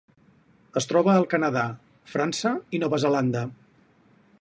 Es troba al Canadà, França i Nova Zelanda.